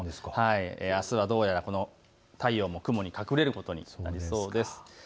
あすはどうやらこの太陽も雲に隠れることになりそうです。